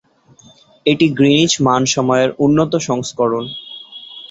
এটি গ্রিনিচ মান সময়ের উন্নত সংস্করণ।